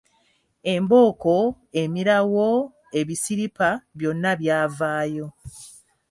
Embooko, emirawo, ebisiripa byonna byavaayo.